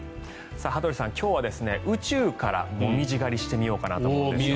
羽鳥さん、今日は宇宙からモミジ狩りしてみようかと思います。